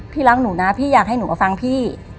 รักหนูนะพี่อยากให้หนูมาฟังพี่